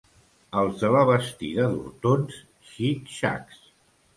Els de la Bastida d'Hortons, xic-xacs.